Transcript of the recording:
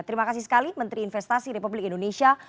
terima kasih sekali menteri investasi republik indonesia